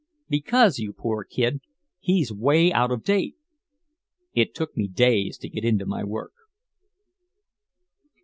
"Because, you poor kid, he's way out of date." It took me days to get into my work.